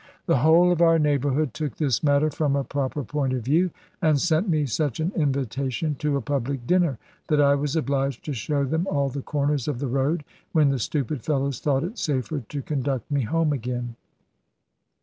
The whole of our neighbourhood took this matter from a proper point of view, and sent me such an invitation to a public dinner, that I was obliged to show them all the corners of the road, when the stupid fellows thought it safer to conduct me home again.